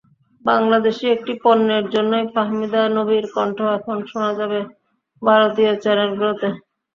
বাংলাদেশি একটি পণ্যের জন্যই ফাহমিদা নবীর কণ্ঠ এখন শোনা যাবে ভারতীয় চ্যানেলগুলোতে।